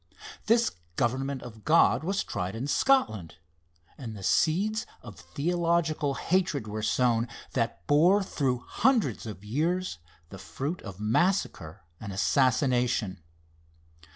This government of God was tried in Scotland, and the seeds of theological hatred were sown, that bore, through hundreds of years, the fruit of massacre and assassination.